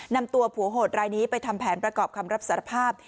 นำตัวผัวโหดรายนี้ไปทำแผนประกอบคำรับสารภาพ